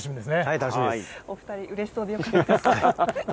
お二人が嬉しそうで良かったです。